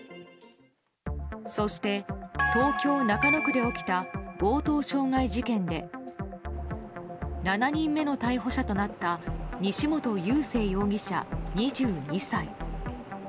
そして東京・中野区で起きた強盗傷害事件で７人目の逮捕者となった西本佑聖容疑者、２２歳。